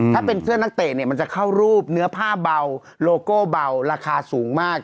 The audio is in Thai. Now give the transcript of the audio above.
ถ้าเป็นเสื้อนักเตะเนี่ยมันจะเข้ารูปเนื้อผ้าเบาโลโก้เบาราคาสูงมาก